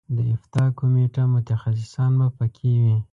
د افتا کمیټه متخصصان به په کې وي.